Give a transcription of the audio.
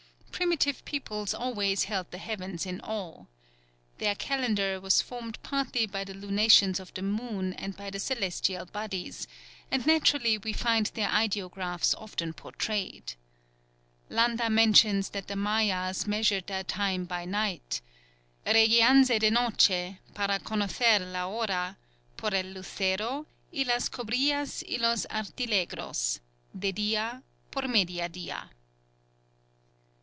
Primitive peoples always held the heavens in awe. Their calendar was formed partly by the lunations of the moon and by the celestial bodies, and naturally we find their ideographs often portrayed. Landa mentions that the Mayas measured their time by night, "_Regianse de noche, para conocer la hora, por el lucero, i las cobrillas i los artilegros, de dia, por media dia.